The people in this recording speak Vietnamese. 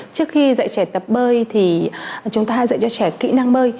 trước khi dạy trẻ tập bơi thì chúng ta dạy cho trẻ kỹ năng bơi